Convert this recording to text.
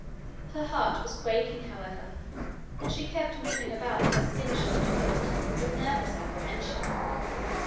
Her heart was quaking, however, and she kept moving about her skin shod foot with nervous apprehension.